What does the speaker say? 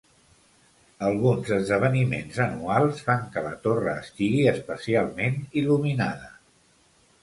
Alguns esdeveniments anuals fan que la torre estigui especialment il·luminada.